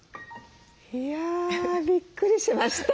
いやびっくりしました。